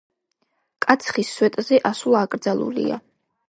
კაცხის სვეტზე ასვლა აკრძალულია.